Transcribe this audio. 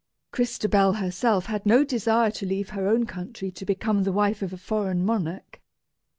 Crystabell herself had no desire to leave her own country to become the wife of a foreign monarch.